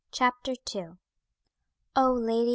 CHAPTER II O lady!